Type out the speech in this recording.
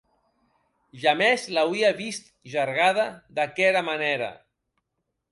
Jamès l’auie vist jargada d’aquera manèra.